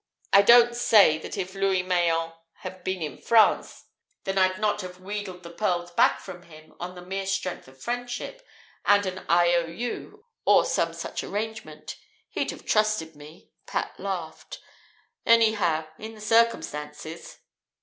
I don't say that if Louis Mayen had been in France then I'd not have wheedled the pearls back from him, on the mere strength of friendship, and an I.O.U., or some such arrangement. He'd have trusted me," Pat laughed; "anyhow, in the circumstances!